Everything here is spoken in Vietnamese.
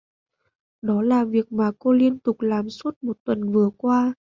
Đó là việc mà cô liên tục làm suốt một tuần vừa qua